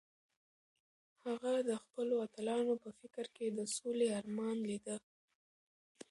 هغه د خپلو اتلانو په فکر کې د سولې ارمان لیده.